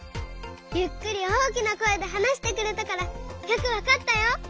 ゆっくり大きなこえではなしてくれたからよくわかったよ。